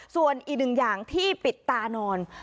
ส่วนอีกหนึ่งอย่างที่ปิดตานอน